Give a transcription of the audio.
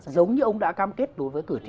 giống như ông đã cam kết đối với cử tri